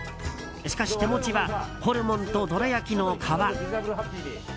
しかし手持ちは、ホルモンとどら焼きの皮。